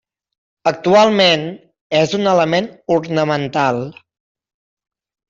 Actualment és un element ornamental.